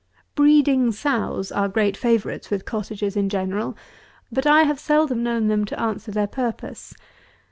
140. Breeding sows are great favourites with Cottagers in general; but I have seldom known them to answer their purpose.